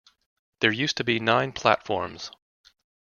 There used to be nine platforms.